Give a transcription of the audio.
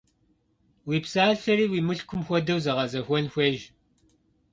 Уи псалъэри уи мылъкум хуэдэу зэгъэзэхуэн хуейщ.